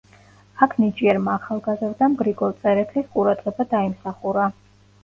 აქ ნიჭიერმა ახალგაზრდამ გრიგოლ წერეთლის ყურადღება დაიმსახურა.